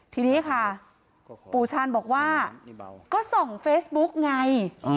ทีนี้ค่ะปู่ชาญบอกว่าก็ส่องเฟซบุ๊กไง